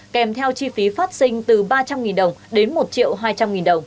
kèm theo chi phí phát sinh từ ba trăm linh đồng đến một triệu hai trăm linh đồng